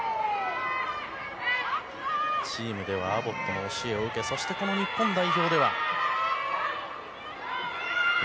チームではアボットの教えを受けそして日本代表では。